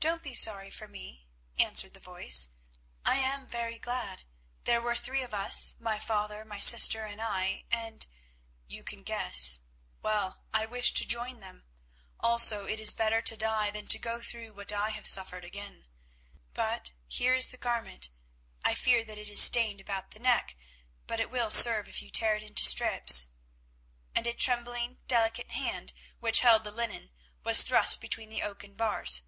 "Don't be sorry for me," answered the voice, "I am very glad. There were three of us, my father, my sister, and I, and—you can guess—well, I wish to join them. Also it is better to die than to go through what I have suffered again. But here is the garment. I fear that it is stained about the neck, but it will serve if you tear it into strips," and a trembling, delicate hand, which held the linen, was thrust between the oaken bars.